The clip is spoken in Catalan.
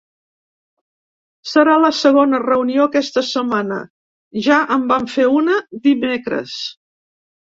Serà la segona reunió aquesta setmana, ja en van fer una dimecres.